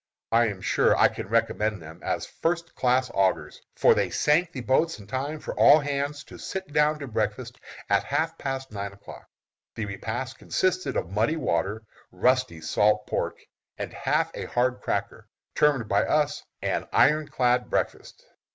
I am sure I can recommend them as first class augers, for they sank the boats in time for all hands to sit down to breakfast at half past nine o'clock. The repast consisted of muddy water, rusty salt pork, and half a hard cracker, termed by us "an iron clad breakfast."